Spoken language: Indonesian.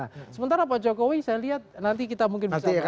nah sementara pak jokowi saya lihat nanti kita mungkin bisa